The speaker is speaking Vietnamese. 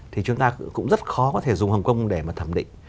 thì chúng ta cũng rất khó có thể dùng hồng kông để mà thẩm định